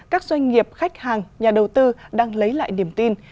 các doanh nghiệp khách hàng nhà đầu tư đang lấy lại niềm tin